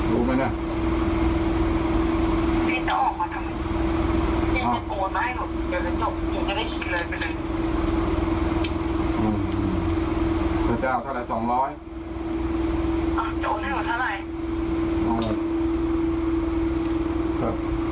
ถ้ามีเสียง๒๐๐ก็ได้จะเป็นสถานไหนละ